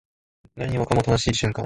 何もかも新しい瞬間